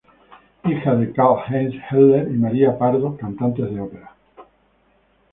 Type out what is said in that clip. Hija de Karl-Heinz Eichler y María Pardo, cantantes de ópera.